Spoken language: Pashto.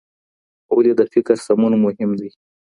ولي د فکر سمون مهم دی؟